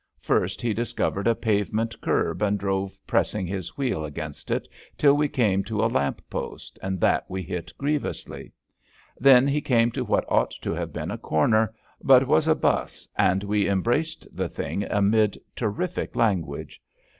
First he discovered a pavement kerb and drove pressing his wheel against it till we came to a lamp post, and that we hit grievously. Then he came to what ought to have been a corner^ but was a 'bus, and we embraced the thing amid terrific language.